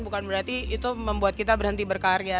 bukan berarti itu membuat kita berhenti berkarya